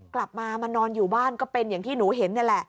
กลับมามานอนอยู่บ้านก็เป็นอย่างที่หนูเห็นนี่แหละ